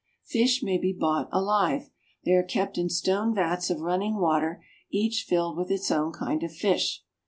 Fish may be bought alive. They are kept in stone vats of running water, each filled with its own kind of fish.